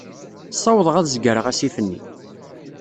Ssawḍeɣ ad zegreɣ asif-nni.